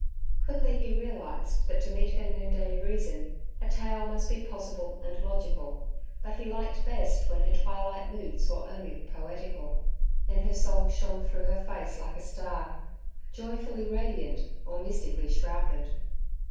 Quickly he realized that to meet her noonday reason a tale must be possible and logical. But he liked best when her twilight mood saw only the poetical; then her soul shone through her face like a star, joyfully radiant or mystically shrouded.